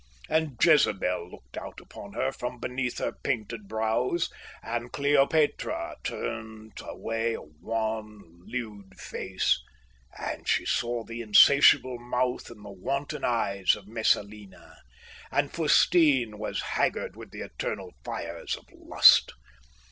And Jezebel looked out upon her from beneath her painted brows, and Cleopatra turned away a wan, lewd face; and she saw the insatiable mouth and the wanton eyes of Messalina, and Fustine was haggard with the eternal fires of lust.